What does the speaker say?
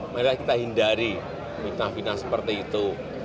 mari kita hindari fitnah fitnah seperti itu